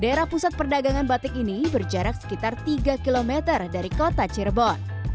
daerah pusat perdagangan batik ini berjarak sekitar tiga km dari kota cirebon